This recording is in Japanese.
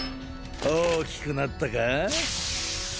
大きくなったか。